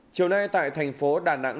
châu nay tại thành phố đà nẵng